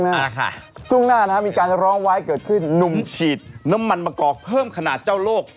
หน้าค่ะช่วงหน้านะฮะมีการร้องไว้เกิดขึ้นหนุ่มฉีดน้ำมันมะกอกเพิ่มขนาดเจ้าโลก